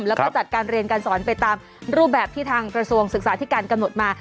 แล้วก็จัดการเรียนการสอนไปตามรูปแบบที่ทางกระทรวงศึกษาที่การกำหนดมา